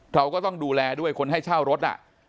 เราก็ต้องดูแลด้วยคนให้เช่ารถ